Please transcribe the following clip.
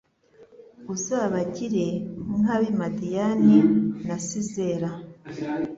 Uzabagire nk’ab’i Madiyani na Sizera